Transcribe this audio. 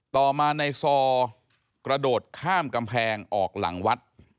ต่อมาในซอกระโดดข้ามกำแพงออกหลังวัด